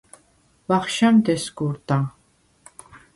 ვახშამდ ესგუ̄რდა.